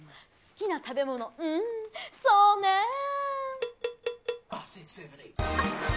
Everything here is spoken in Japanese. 好きな食べ物、うーん、そうねぇ。